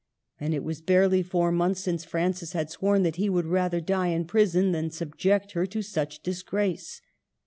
And it was barely four months since Francis had sworn that he would rather die in prison than subject her to such disgrace